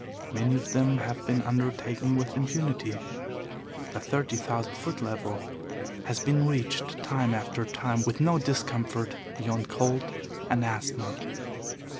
Many of them have been undertaken with impunity. The thirty thousand foot level has been reached time after time with no discomfort beyond cold and asthma.